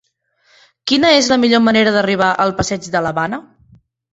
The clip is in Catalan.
Quina és la millor manera d'arribar al passeig de l'Havana?